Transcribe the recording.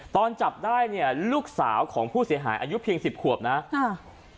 ตอนจับได้เนี่ยลูกสาวของผู้เสียหายอายุเพียงสิบขวบนะค่ะ